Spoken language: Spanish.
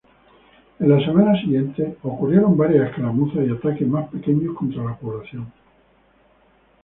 En las semanas siguientes, ocurrieron varias escaramuzas y ataques más pequeños contra la población.